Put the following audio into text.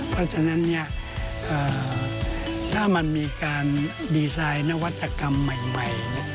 เพราะฉะนั้นถ้ามันมีการดีไซน์นวัตกรรมใหม่